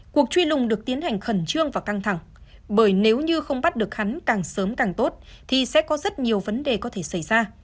cuộc truy lùng được tiến hành khẩn trương và căng thẳng bởi nếu như không bắt được hắn càng sớm càng tốt thì sẽ có rất nhiều vấn đề có thể xảy ra